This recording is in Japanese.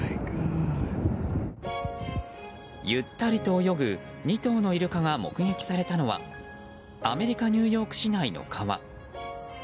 ゆったりと泳ぐ２頭のイルカが目撃されたのはアメリカ・ニューヨーク市内の川。